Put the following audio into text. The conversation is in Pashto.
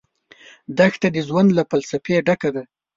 دښته د ژوند له فلسفې ډکه ده.